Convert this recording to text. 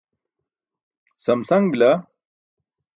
samsaṅ bila